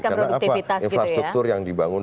karena apa infrastruktur yang dibangun